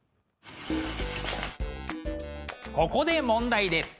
ここで問題です。